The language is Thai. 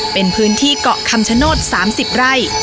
เป็นพื้นที่เกาะคำชโนธ๓๐ไร่